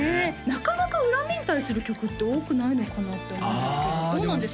なかなか怨みに対する曲って多くないのかなって思うんですけどどうなんですかね？